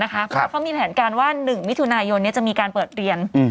เขามีแหล่งความสมมุติการแผ่นว่าหนึ่งมิถุนายนนี้จะมีการเปิดเรียน